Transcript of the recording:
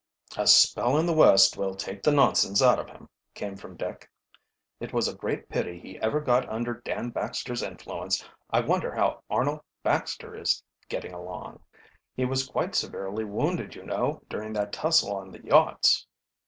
"A spell in the West will take the nonsense out of him," came from Dick. "It was a great pity he ever got under Dan Baxter's influence I wonder how Arnold Baxter is getting along? He was quite severely wounded, you know, during that tussle on the yachts."